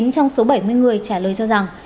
hai mươi chín trong số bảy mươi người trả lời cho rằng